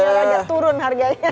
biar aja turun harganya